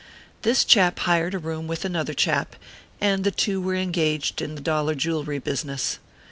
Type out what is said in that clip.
This chap hired a room with another chap, and the two were engaged in the dollar jewelry business.